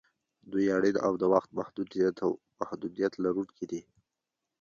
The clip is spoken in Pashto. دوی اړین او د وخت محدودیت لرونکي دي.